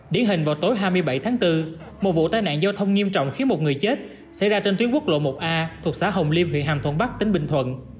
điển hình vào tối hai mươi bảy tháng bốn một vụ tai nạn giao thông nghiêm trọng khiến một người chết xảy ra trên tuyến quốc lộ một a thuộc xã hồng liêm huyện hàm thuận bắc tỉnh bình thuận